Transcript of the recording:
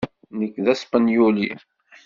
Nekk d taspenyult.